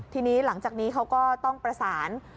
ทีนี้หลังจากนี้เขาก็ต้องประสาน